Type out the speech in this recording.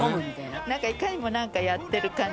なんかいかにもなんかやってる感じ。